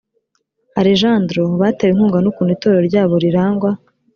alejandro batewe inkunga n ukuntu itorero ryabo rirangwa